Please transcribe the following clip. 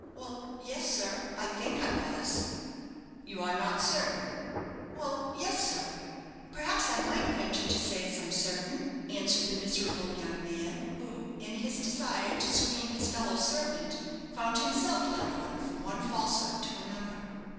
"Well, yes, sir, I think I was." "You are not certain?" "Well, yes, sir; perhaps I might venture to say as I'm certain," answered the miserable young man, who in his desire to screen his fellow servant, found himself led on from one falsehood to another.